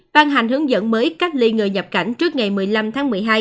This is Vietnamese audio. ban hành hướng dẫn mới cách ly người nhập cảnh trước ngày một mươi năm tháng một mươi hai